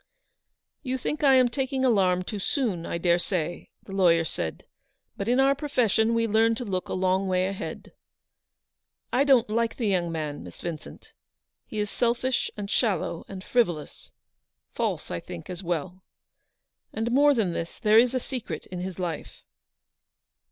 "You think I am taking alarm too soon, I daresay," the lawyer said, " but in our profession we learn to look a long way ahead. I don't like the young man, Miss Vincent. He is selfish, and shallow, and frivolous, — false, I think, as well. And, more than this, there is a secret in his life."